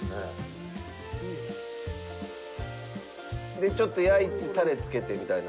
でちょっと焼いてタレつけてみたいな。